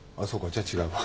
じゃ違うわ。